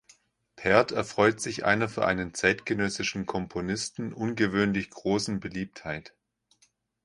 Pärt erfreut sich einer für einen zeitgenössischen Komponisten ungewöhnlich großen Beliebtheit.